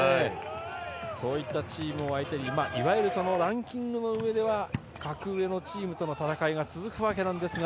そういったチームを相手にいわゆるランキングの上では格上のチームとの戦いが続くわけなんですが。